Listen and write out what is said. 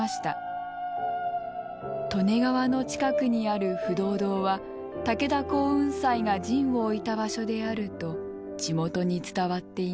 利根川の近くにある不動堂は武田耕雲斎が陣を置いた場所であると地元に伝わっています。